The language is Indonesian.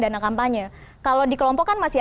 dana kampanye kalau di kelompok kan masih